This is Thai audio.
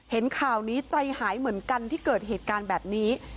เห็นข่าวนี้ใจหายเหมือนกันที่เกิดเหตุการณ์แบบนี้